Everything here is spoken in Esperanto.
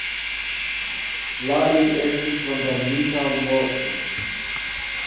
La li estis kondamnita al morto.